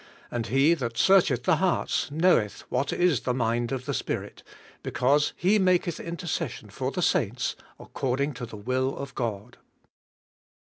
And he that searcheth the hearts knoweth zvhat is the mind of the Spirit, because he maketh intercession for the saints according to the will of God.